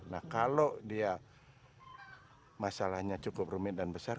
nah kalau dia masalahnya cukup rumit dan besar